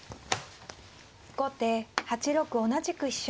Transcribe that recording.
後手８六同じく飛車。